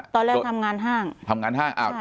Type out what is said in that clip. ตอนแรกทำงานห้าง